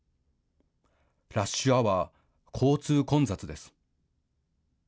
ラッシュアワー、交通混雑です。